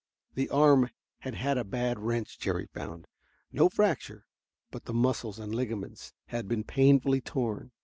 The arm had had a bad wrench, Jerry found. No fracture, but the muscles and ligaments had been painfully torn.